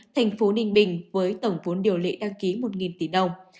thành phố ninh bình với tổng vốn điều lệ đăng ký một tỷ đồng